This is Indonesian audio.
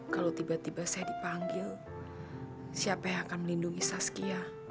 kalau tiba tiba saya dipanggil siapa yang akan melindungi saskia